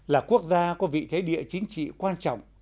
là quốc gia có vị thế địa chính trị quan trọng